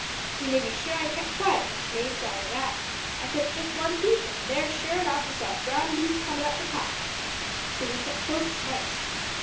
"You may be sure I kep' quiet, messmates, arter that. I took just one peep, an' there, sure enough, I saw a brown beast comin' up the pass. So we kep' close as mice.